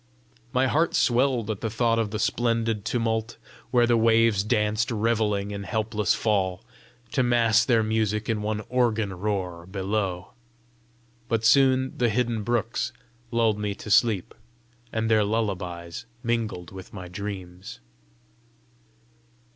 My heart swelled at the thought of the splendid tumult, where the waves danced revelling in helpless fall, to mass their music in one organ roar below. But soon the hidden brooks lulled me to sleep, and their lullabies mingled with my dreams.